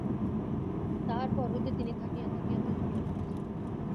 তাহার পর হইতে তিনি থাকিয়া থাকিয়া চমকিয়া উঠিতেছেন।